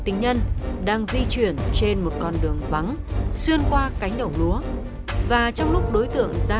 tình nhân đang di chuyển trên một con đường vắng xuyên qua cánh đồng lúa và trong lúc đối tượng ra